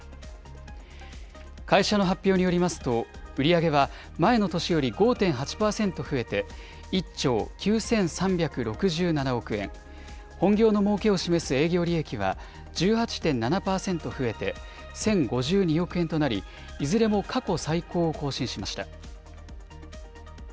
会社の発表によりますと、売り上げは前の年より５．８％増えて、１兆９３６７億円、本業のもうけを示す営業利益は１８．７％増えて、１０５２億円となり、いずれも過去最高を更新しました。